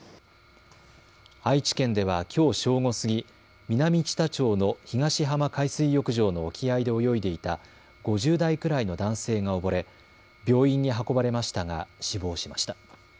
愛知県ではきょう正午過ぎ南知多町の東浜海水浴場の沖合で泳いでいた５０代くらいの男性が溺れ病院に運ばれましたが死亡しました。